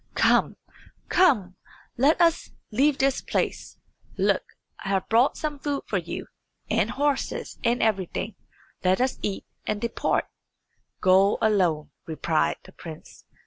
"Come, come; let us leave this place. Look, I have brought some food for you, and horses, and everything. Let us eat and depart." "Go alone," replied the prince.